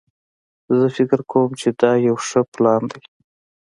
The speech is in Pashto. زه فکر کوم چې دا یو ښه پلان ده